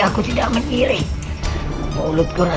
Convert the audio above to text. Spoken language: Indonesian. saya sudah berusaha untuk menghidupkan saya